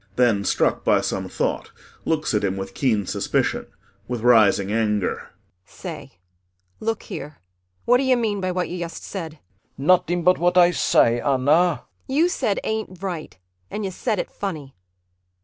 [Then struck by some thought looks at him with keen suspicion with rising anger.] Say, look here, what d'you mean by what you yust said? CHRIS [Hastily.] Nutting but what Ay say, Anna. ANNA You said "ain't right" and you said it funny.